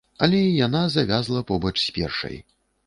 Але і яна завязла побач з першай.